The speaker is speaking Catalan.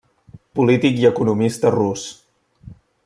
Polític i economista rus.